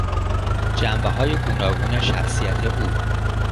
جنبههای گوناگون شخصیت او